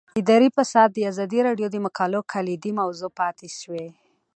اداري فساد د ازادي راډیو د مقالو کلیدي موضوع پاتې شوی.